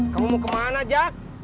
kamu mau kemana jak